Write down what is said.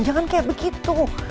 jangan kayak begitu